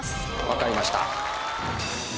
分かりました。